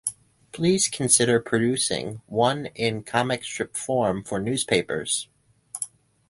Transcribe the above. Please consider producing one in comic strip form for newspapers.